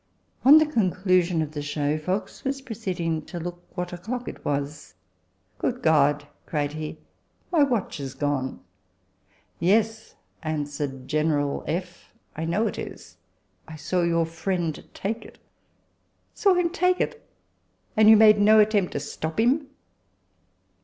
On the conclusion of the show, Fox was proceeding to look what o'clock it was. " Good God," cried he, " my watch is gone !"" Yes," answered General F., " I know it is ; I saw your friend take it." " Saw him take it ! and you made no attempt to stop him